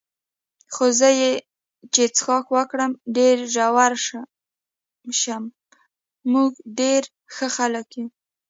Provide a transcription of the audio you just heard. خو زه چې څښاک وکړم ډېر زړور شم، موږ ډېر ښه خلک یو.